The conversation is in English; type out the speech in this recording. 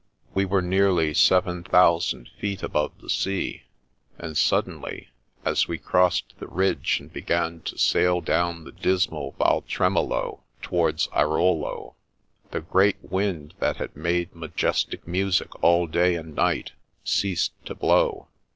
We were nearly seven thousand feet above the sea, and suddenly, as we crossed the ridge and began to sail down the dismal Val Tremolo towards Airolo, the great wind that had made majestic music all day and night ceased to blow.